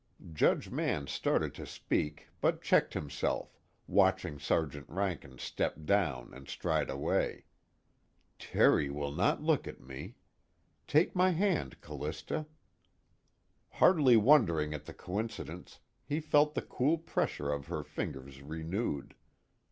Judge Mann started to speak but checked himself, watching Sergeant Rankin step down and stride away. Terry will not look at me. Take my hand, Callista. Hardly wondering at the coincidence, he felt the cool pressure of her fingers renewed.